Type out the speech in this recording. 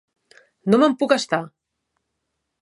No me'n puc estar.